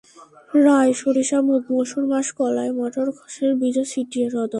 রাই সরিষা মুগ মসুর মাস কলায় মটর খেসারীর বীজও ছিটিয়ে রদয়।